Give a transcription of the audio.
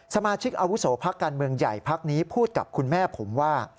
สมาชิกอาวุโสพักการเมืองใหญ่พักนี้พูดกับคุณแม่ผมว่า